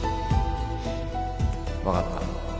分かった